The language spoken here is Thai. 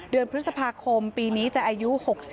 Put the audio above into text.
เดือนพฤษภาคมปีนี้จะอายุ๖๐